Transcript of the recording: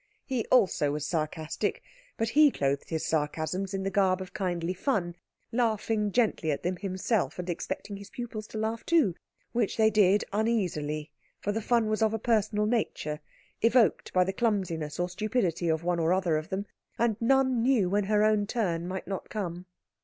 He also was sarcastic, but he clothed his sarcasms in the garb of kindly fun, laughing gently at them himself, and expecting his pupils to laugh too; which they did uneasily, for the fun was of a personal nature, evoked by the clumsiness or stupidity of one or other of them, and none knew when her own turn might not come.